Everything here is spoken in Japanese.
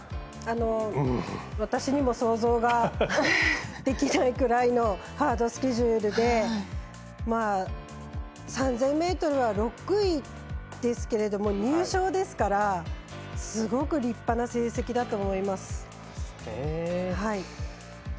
私にも想像ができないぐらいのハードスケジュールで３０００ｍは６位ですけれども入賞ですからすごく立派な成績だと思います。